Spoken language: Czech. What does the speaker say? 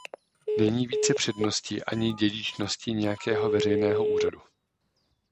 Není více přednosti ani dědičnosti nějakého veřejného úřadu.